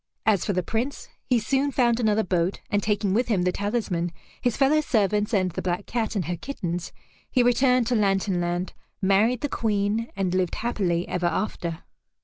As for the Prince, he soon found another boat, and taking with him the talisman, his fellow servants, and the black cat and her kittens, he returned to Lantern Land, married the Queen, and lived happily ever after.